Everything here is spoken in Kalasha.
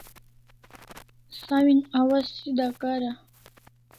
Sawin awaz sida kara